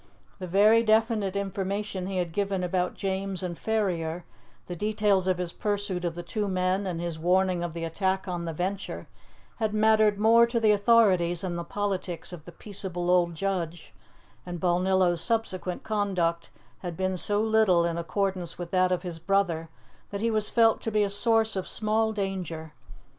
The very definite information he had given about James and Ferrier, the details of his pursuit of the two men and his warning of the attack on the Venture, had mattered more to the authorities than the politics of the peaceable old judge, and Balnillo's subsequent conduct had been so little in accordance with that of his brother that he was felt to be a source of small danger.